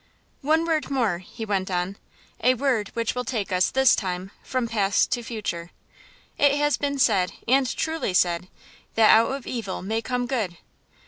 "One word more," he went on "a word which will take us, this time, from past to future. It has been said, and truly said, that out of Evil may come Good.